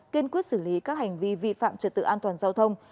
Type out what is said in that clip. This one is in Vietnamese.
kiên quyết xử lý các hành vi vi phạm trật tự an toàn giao thông